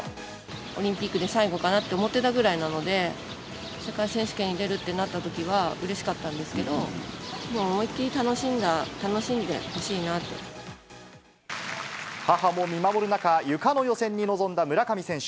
オリンピックで最後かなって思ってたぐらいなので、世界選手権に出るってなったときはうれしかったんですけど、母も見守る中、ゆかの予選に臨んだ村上選手。